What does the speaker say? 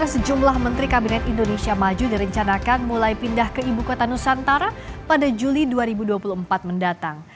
sejumlah menteri kabinet indonesia maju direncanakan mulai pindah ke ibu kota nusantara pada juli dua ribu dua puluh empat mendatang